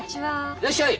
いらっしゃい！